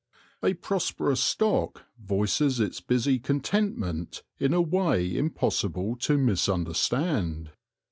A prosperous stock voices its busy con tentment in a way impossible to misunderstand.